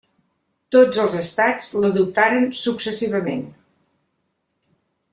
Tots els estats l'adoptaren successivament.